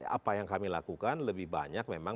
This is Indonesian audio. apa yang kami lakukan lebih banyak memang